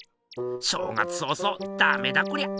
正月早々ダメだこりゃ。